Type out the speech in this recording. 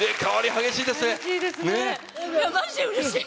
激しいですね。